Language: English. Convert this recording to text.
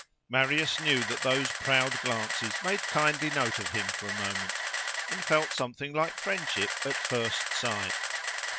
Marius knew that those proud glances made kindly note of him for a moment, and felt something like friendship at first sight.